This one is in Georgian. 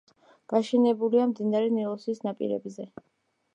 გაშენებულია მდინარე ნილოსის ნაპირებზე.